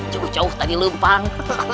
jauh jauh tadi lempang